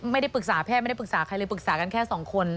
ไม่ได้ปรึกษาแพทย์ไม่ได้ปรึกษาใครเลยปรึกษากันแค่สองคน